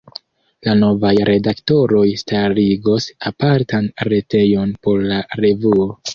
La novaj redaktoroj starigos apartan retejon por la revuo.